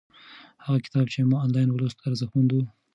هغه کتاب چې ما آنلاین ولوست ارزښتمن و.